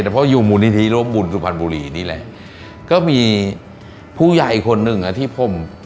แต่เพราะอยู่มูลนิธิร่วมบุญสุพรรณบุรีนี่แหละก็มีผู้ใหญ่คนหนึ่งอ่ะที่ผม